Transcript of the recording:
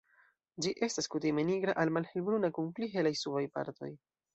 Ĝi estas kutime nigra al malhelbruna kun pli helaj subaj partoj.